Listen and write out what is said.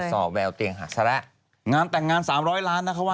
สอบแววเตียงหักซะแล้วงานแต่งงานสามร้อยล้านนะคะว่า